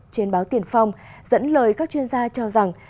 trên báo tiền phong dẫn lời các chuyên gia cho rằng